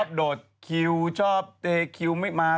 ชอบโดดคิวชอบเต๊คิวไม่มา